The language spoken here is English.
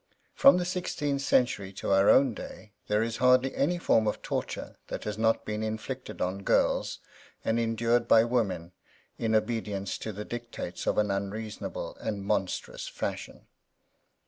From the sixteenth century to our own day there is hardly any form of torture that has not been inflicted on girls, and endured by women, in obedience to the dictates of an unreasonable and monstrous Fashion.